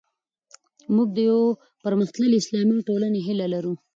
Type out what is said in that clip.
موږ د یوې پرمختللې اسلامي ټولنې هیله لرو.